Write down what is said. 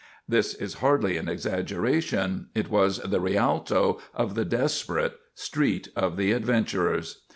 This is hardly an exaggeration, it was the Rialto of the desperate, Street of the Adventurers.